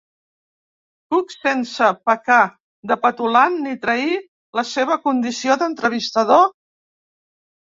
Cook sense pecar de petulant ni trair la seva condició d'entrevistador?